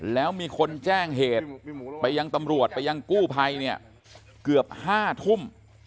แล้วมีคนแจ้งเหตุไปยังตำรวจไปยังกู้ภัยเนี่ยเกือบ๕ทุ่ม